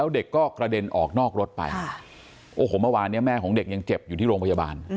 เดินออกนอกรถไปโอ้โหมาวานแม่ของเด็กยังเจ็บอยู่ที่โรงพยาบาล